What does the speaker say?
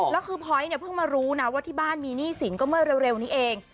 แล้วคือพอยต์เนี่ยเพิ่งมารู้นะว่าที่บ้านมีหนี้สินก็เมื่อเร็วนี้เอง